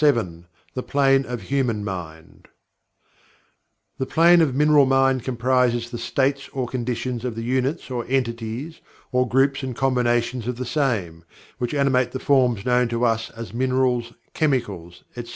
The Plane of Human Mind The Plane of Mineral Mind comprises the "states or conditions" of the units or entities, or groups and combinations of the same, which animate the forms known to us as "minerals, chemicals, etc."